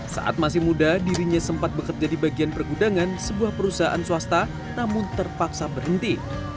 saat masih muda dirinya sempat bekerja di bagian pergudangan sebuah perusahaan swasta namun terpaksa berhenti